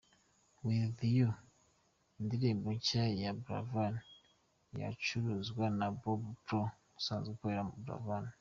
"With You", indirimbo nshya ya Buravan, yacuranzwe na Bob Pro usanzwe ukorera Buravan.